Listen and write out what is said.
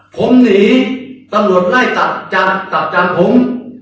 ผมหนีตำรวจไล่ตัดจัดจากผม